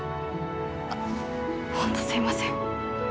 あっ本当すいません。